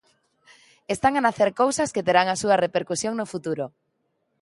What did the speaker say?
Están a nacer cousas que terán a súa repercusión no futuro.